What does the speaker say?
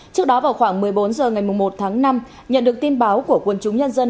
trước đó vào khoảng một mươi bốn h ngày một tháng năm nhận được tin báo của quân chúng nhân dân